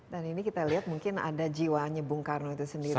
dan ini kita lihat mungkin ada jiwanya bung karno itu sendiri disini